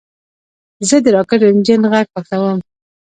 زه د راکټ انجن غږ خوښوم.